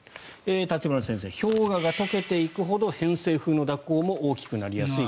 立花先生、氷河が解けていくほど偏西風の蛇行も大きくなりやすい。